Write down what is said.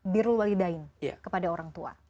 birul walidain kepada orang tua